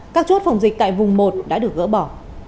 các chốt phòng dịch tại vùng một đã được gỡ bỏ